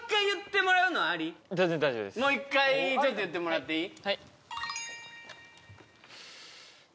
もう一回ちょっと言ってもらっていい？